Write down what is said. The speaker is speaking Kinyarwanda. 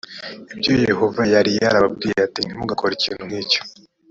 j ibyo yehova yari yarababwiye ati ntimugakore ikintu nk icyo